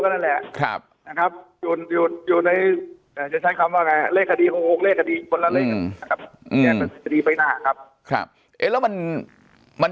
ก็นั่นแหละครับอยู่ในเลขคดีหกทีไปหน้าครับแล้วมันมัน